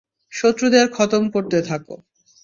শত্রুদের খতম করতে থাক।